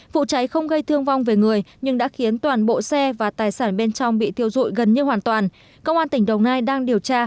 vụ cháy không gây thương vong về người nhưng đã khiến toàn bộ xe và tài sản bên trong bị thiêu dụi gần như hoàn toàn